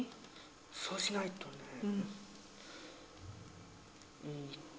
そうしないとねうんと。